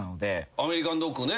アメリカンドッグね。